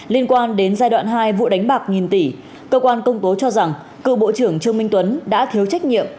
liên quan đến giai đoạn hai vụ đánh bạc nghìn tỷ cơ quan công tố cho rằng cựu bộ trưởng trương minh tuấn đã thiếu trách nhiệm